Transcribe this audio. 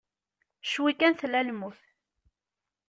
Cwi kan tella lmut.